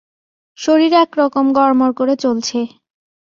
শরীর এক-রকম গড়মড় করে চলছে।